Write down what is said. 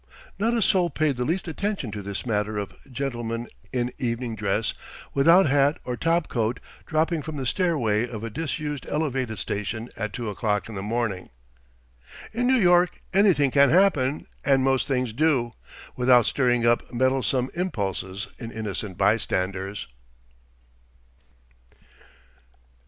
Not a soul paid the least attention to this matter of a gentleman in evening dress without hat or top coat dropping from the stairway of a disused elevated station at two o'clock in the morning. In New York anything can happen, and most things do, without stirring up meddlesome impulses in innocent bystanders.